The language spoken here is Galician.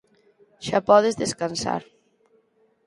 Xa podes descansar.